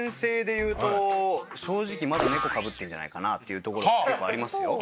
正直まだ猫かぶってるんじゃないかな？っていうところは結構ありますよ。